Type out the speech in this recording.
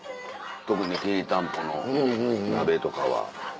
特にきりたんぽの鍋とかは。